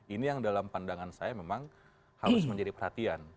ini yang dalam pandangan saya memang harus menjadi perhatian